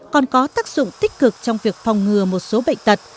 còn có tác dụng tích cực trong việc phòng ngừa một số bệnh tật